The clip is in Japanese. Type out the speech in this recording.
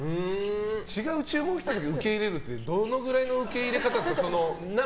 違う注文来た時受け入れるってどのぐらいの受け入れ方ですか。